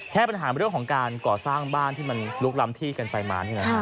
ปัญหาเรื่องของการก่อสร้างบ้านที่มันลุกล้ำที่กันไปมา